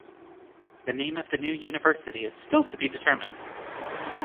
The name of the new university is still to be determined.